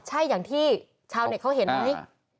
ใช่อย่างที่ชาวเน็ตเขาเห็นไหม